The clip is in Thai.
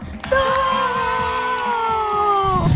สู้